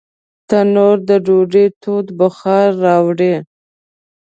تنور د ډوډۍ تود بخار راوړي